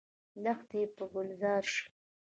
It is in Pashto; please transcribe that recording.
دښتې به ګلزار شي؟